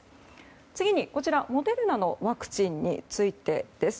次に、モデルナのワクチンについてです。